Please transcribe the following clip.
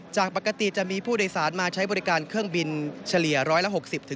จากปกติจะมีผู้โดยสารมาใช้บริการเครื่องบินเฉลี่ย๑๖๐